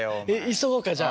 急ごうかじゃあ。